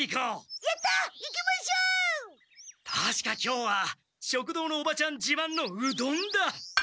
たしか今日は食堂のおばちゃんじまんのうどんだ！